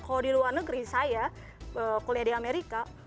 kalau di luar negeri saya kuliah di amerika